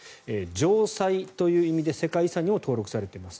城塞という意味で世界遺産にも登録されています。